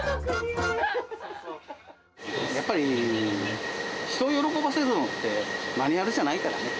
やっぱり人を喜ばせるのって、マニュアルじゃないからね。